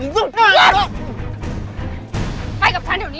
ไปกับฉันตรงนี้เลย